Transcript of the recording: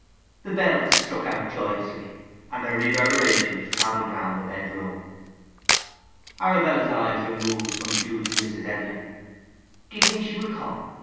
The bells struck out joyously; and their reverberations travelled round the bed room. Arabella's eyes removed from Jude to Mrs. Edlin. "D'ye think she will come?"